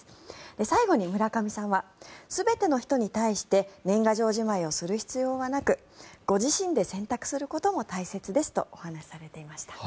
最後にむらかみさんは全ての人に対して年賀状じまいをする必要はなくご自身で選択することも大切ですとお話しされていました。